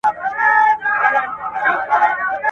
ما د اټومي عادتونو کتاب ولوست.